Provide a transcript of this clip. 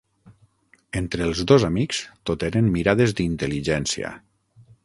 Entre els dos amics, tot eren mirades d'intel·ligència.